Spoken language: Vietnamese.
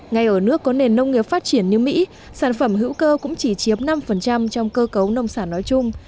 ngay ở nước có nền nông nghiệp phát triển như mỹ sản phẩm hữu cơ cũng chỉ chiếm năm trong cơ cấu nông sản nói chung